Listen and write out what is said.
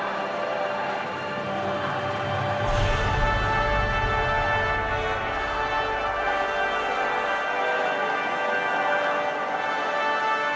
dan untuk selanjutnya kami mohon pasangkan lampir di sisi tempat ini